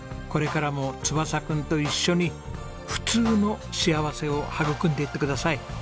これからも翼くんと一緒に普通の幸せを育んでいってください。